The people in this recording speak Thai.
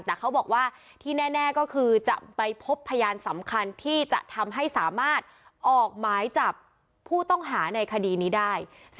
แต่เขาบอกว่าที่แน่ก็คือจะไปพบพยานสำคัญที่จะทำให้สามารถออกหมายจับผู้ต้องหาในคดีนี้ได้